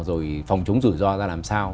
rồi phòng chống rủi ro ra làm sao